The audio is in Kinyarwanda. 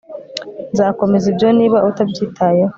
nzakomeza ibyo niba utabyitayeho